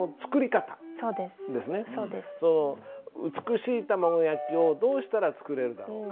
美しい卵焼きをどうしたら作れるだろうか？